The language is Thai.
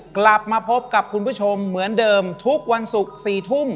กลับมาพบกับคุณผู้ชมเหมือนเดิมทุกวันศุกร์๔ทุ่ม